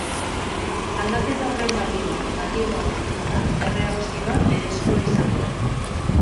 Aldaketa horren balioa negatiboa baldin bada erreakzioa berezkoa izango da.